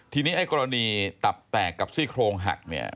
ทีนี้กรณีตับแตกกับซี่โครงหัก